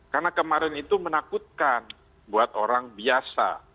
karena kemarin itu menakutkan buat orang biasa